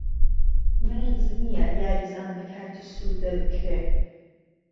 مهرج نییه یاریزان به کارتی سوور دهربکرێ